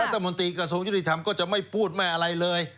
รัฐมนตรีกระทรวงยุติธรรมก็จะไม่พูดไม่อะไรเลย